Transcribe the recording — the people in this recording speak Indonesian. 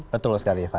betul sekali rifana